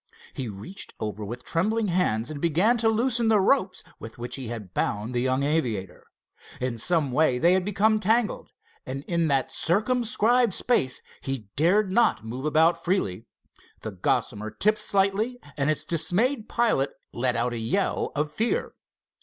He reached over with trembling hands and began to loosen the ropes with which he had bound the young aviator. In some way they had become tangled, and in that circumscribed space he dared not move about freely. The Gossamer tipped slightly, and its dismayed pilot let out a yell of fear.